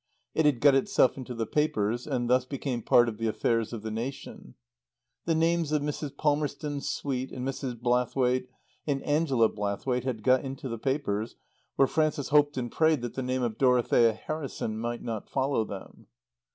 It had got itself into the papers and thus become part of the affairs of the nation. The names of Mrs. Palmerston Swete and Mrs. Blathwaite and Angela Blathwaite had got into the papers, where Frances hoped and prayed that the name of Dorothea Harrison might not follow them.